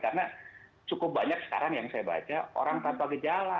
karena cukup banyak sekarang yang saya baca orang tanpa gejala